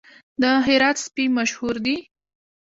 د هرات سپي مشهور دي